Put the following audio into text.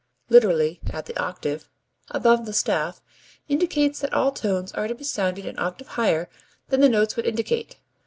] literally at the octave) above the staff, indicates that all tones are to be sounded an octave higher than the notes would indicate.